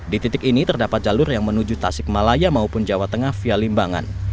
di titik ini terdapat jalur yang menuju tasik malaya maupun jawa tengah via limbangan